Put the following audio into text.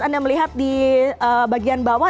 anda melihat di bagian bawah